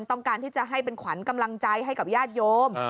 ต้องการที่จะให้เป็นขวัญกำลังใจให้กับญาติโยม